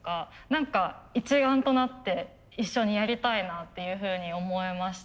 何か一丸となって一緒にやりたいなっていうふうに思えました。